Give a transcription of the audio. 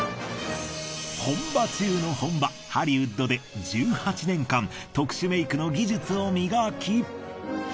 本場中の本場ハリウッドで１８年間特殊メイクの技術を磨き